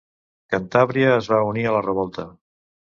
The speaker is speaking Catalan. Cantàbria es va unir a la revolta.